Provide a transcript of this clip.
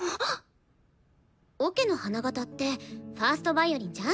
オケの花形って１ｓｔヴァイオリンじゃん？